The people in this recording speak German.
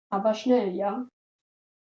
Aber schnell, ja?